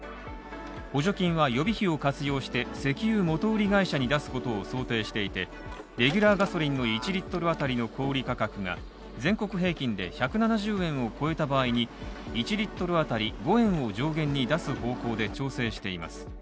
補助金は予備費を活用して、石油元売り会社に出すことを想定していて、レギュラーガソリンの１Ｌあたりの小売価格が全国平均で１７０円を超えた場合に、１Ｌあたり５円を上限に出す方向で調整しています。